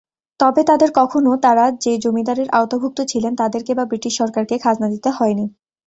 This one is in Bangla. তবে তাদের কখনো তারা যে জমিদারের আওতাভুক্ত ছিলেন তাদেরকে বা ব্রিটিশ সরকারকে খাজনা দিতে হয়নি।